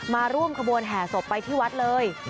มาร่วมขบวนแห่ศพไปที่วัดเลย